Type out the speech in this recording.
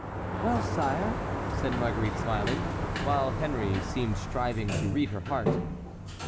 "Well, sire?" said Marguerite, smiling, while Henry seemed striving to read her heart.